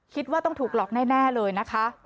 คิดว่าต้องถูกหลอกแน่เลยนะคะ